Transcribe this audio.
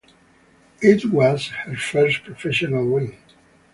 It was his first professional win.